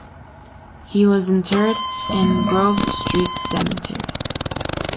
He was interred in Grove Street Cemetery.